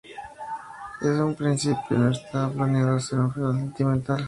En un principio, no estaba planeado hacer un final sentimental.